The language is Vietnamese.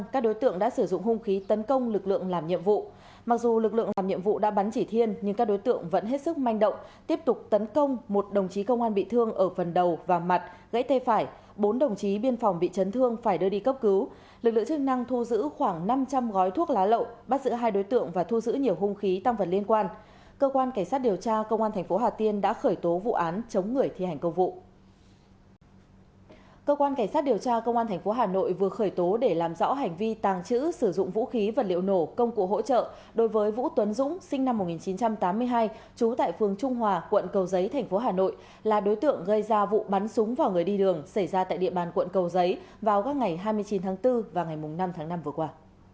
cơ quan cảnh sát điều tra công an thành phố hà nội vừa khởi tố để làm rõ hành vi tàng trữ sử dụng vũ khí vật liệu nổ công cụ hỗ trợ đối với vũ tuấn dũng sinh năm một nghìn chín trăm tám mươi hai trú tại phương trung hòa quận cầu giấy thành phố hà nội là đối tượng gây ra vụ bắn súng vào người đi đường xảy ra tại địa bàn quận cầu giấy vào các ngày hai mươi chín tháng bốn và ngày năm tháng năm vừa qua